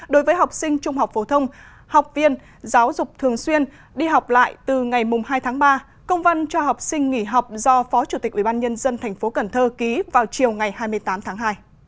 đối với học sinh trung học phổ thông học viên giáo dục thường xuyên đi học lại từ ngày hai tháng ba công văn cho học sinh nghỉ học do phó chủ tịch ubnd tp cần thơ ký vào chiều ngày hai mươi tám tháng hai